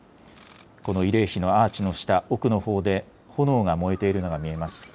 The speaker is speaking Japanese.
この慰霊碑のアーチの下、奥のほうで炎が燃えているのが見えます。